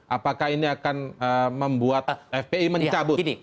apakah ini akan membuat fpi mencabut